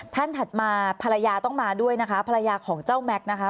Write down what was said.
ถัดมาภรรยาต้องมาด้วยนะคะภรรยาของเจ้าแม็กซ์นะคะ